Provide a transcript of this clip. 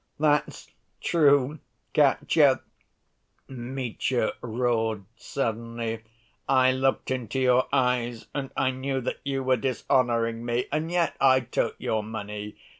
"That's true, Katya," Mitya roared suddenly, "I looked into your eyes and I knew that you were dishonoring me, and yet I took your money.